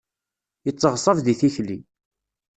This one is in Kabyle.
Yetteɣṣab di tikli.